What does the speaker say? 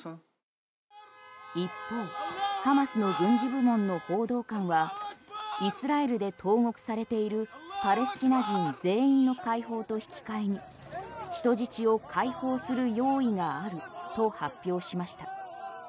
一方、ハマスの軍事部門の報道官はイスラエルで投獄されているパレスチナ人全員の解放と引き換えに人質を解放する用意があると発表しました。